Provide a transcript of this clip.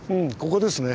ここですね。